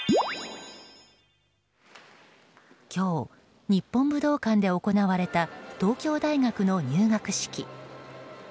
今日、日本武道館で行われた東京大学の入学式。